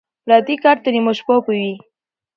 ـ پردى کټ تر نيمو شپو وي.